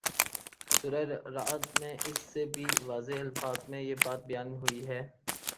سورۂ رعد میں اس سے بھی واضح الفاظ میں یہ بات بیان ہوئی ہے